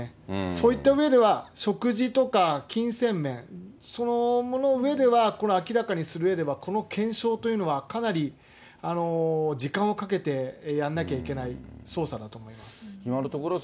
そういった上では、食事とか金銭面、そのものを、明らかにするうえでは、この検証というのは、かなり時間をかけてやんなきゃいけない捜査だと思います。